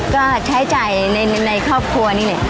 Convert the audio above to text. ก็ใช้จ่ายในครอบครัวนี่แหละ